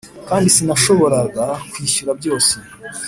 kandi sinashoboraga kwishyura byose.